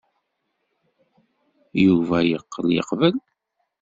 Yuba yeqqel yeqbel.